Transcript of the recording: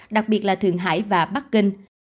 đặc biệt là thường hải và bắc kinh